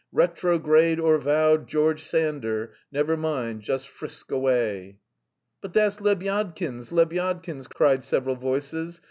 Retrograde or vowed George Sander Never mind, just frisk away!" "But that's Lebyadkin's! Lebyadkin's!" cried several voices.